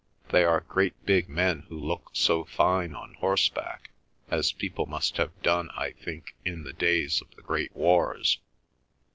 They are great big men who look so fine on horseback, as people must have done, I think, in the days of the great wars.